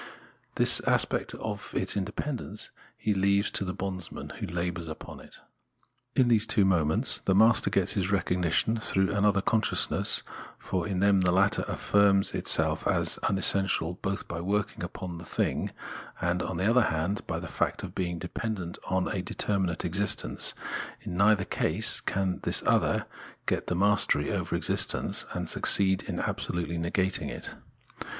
The aspect of its independence he leaves to the bondsman, who labours upon it. In these two moments, the master gets his recognition through an other consciousness, for in them the latter aiSrms itself as unessential, both by working upon the thing, and, on the other hand, by the fact of being dependent on a determinate existence ; in neither case can this other get the mastery over existence, and succeed in absolutely negating it.